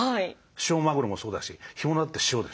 塩マグロもそうだし干物だって塩でしょ。